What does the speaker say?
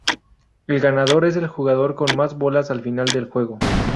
El ganador es el jugador con más bolas al final del juego.